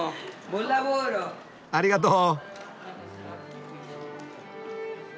ありがとう。